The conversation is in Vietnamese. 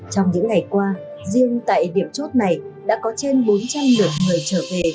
trong những ngày qua riêng tại điểm chốt này đã có trên bốn trăm linh lượt người trở về